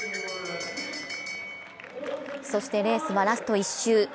そして、レースはラスト１周。